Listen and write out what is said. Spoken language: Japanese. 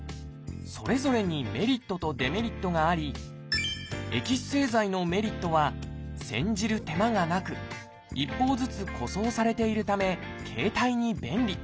それぞれにメリットとデメリットがありエキス製剤のメリットは煎じる手間がなく１包ずつ個装されているため携帯に便利。